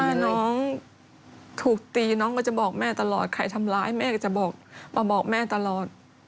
ถ้าน้องถูกตีน้องก็จะบอกแม่ตลอดใครทำร้ายแม่ก็จะบอกมาบอกแม่ตลอด